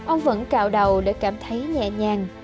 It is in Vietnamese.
ông vẫn cạo đầu để cảm thấy nhẹ nhàng